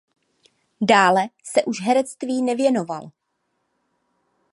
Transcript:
Dále se už herectví nevěnoval.